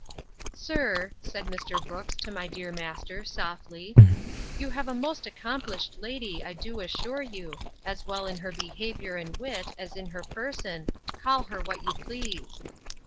Sir, said Mr. Brooks to my dear master, softly, You have a most accomplished lady, I do assure you, as well in her behaviour and wit, as in her person, call her what you please.